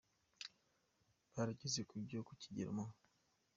barageze ku byo ku kigero Mu.